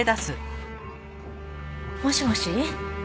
もしもし。